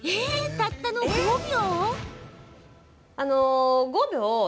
たったの５秒？